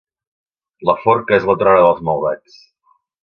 La forca és la trona dels malvats.